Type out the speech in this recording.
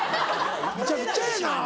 むちゃくちゃやな。